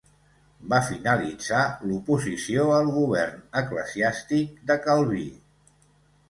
Va finalitzar l'oposició al govern eclesiàstic de Calví.